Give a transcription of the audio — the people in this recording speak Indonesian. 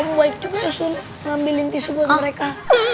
kamu baik juga yusun ngambilin tisu mereka